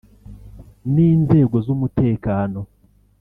n’inzego z’umutekano